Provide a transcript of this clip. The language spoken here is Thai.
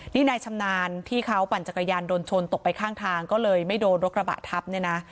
นี่นายชำนาญที่เขาปั่นจักรยานยนต์ชนตกไปข้างทางก็เลยไม่โดนรถกระบะทับเนี่ยนะ